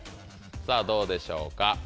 さぁどうでしょうか？